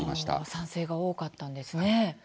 賛成が多かったんですね。